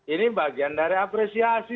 ini bagian dari apresiasi